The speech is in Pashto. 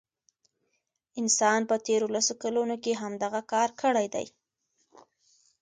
انسان په تیرو لسو کلونو کې همدغه کار کړی دی.